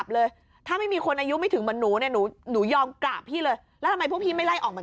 เขาคิดดูสิเป็นชาวมาเล